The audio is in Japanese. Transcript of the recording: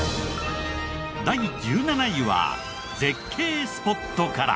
第１７位は絶景スポットから。